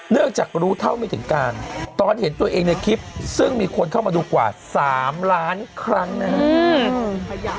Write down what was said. จากรู้เท่าไม่ถึงการตอนเห็นตัวเองในคลิปซึ่งมีคนเข้ามาดูกว่า๓ล้านครั้งนะครับ